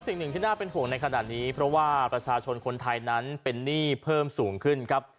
สิ่งหนึ่งที่น่าเป็นห่วงในขณะนี้เพราะว่าประชาชนคนไทยนั้นเป็นหนี้เพิ่มสูงขึ้นครับ